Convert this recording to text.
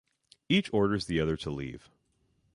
Each orders the other to leave.